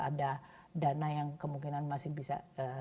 ada dana yang kemungkinan masih bisa